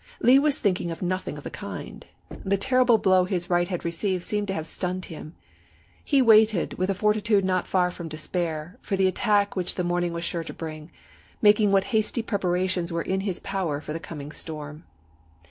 Lee was thinking of nothing of the kind. The terrible blow his right had received seemed to have stunned him. He waited, with a fortitude not far from despair, for the attack which the morning was sure to bring, making what hasty preparations were in his power for the coming storm.